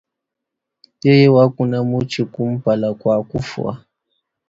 Yeye wakuna mutshi kumpala kua kufua.